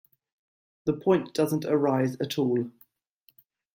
The point doesn't arise at all.